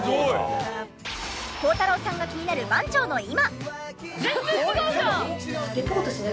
孝太郎さんが気になる番長の今。